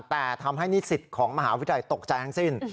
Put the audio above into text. แต่ทำให้นิสิตของมหาวิทยาลัยตกใจทั้งสิ้น